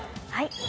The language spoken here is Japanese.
はい。